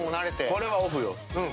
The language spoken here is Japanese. これは、オフよ。